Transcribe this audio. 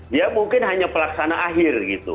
dia mungkin hanya pelaksana akhir gitu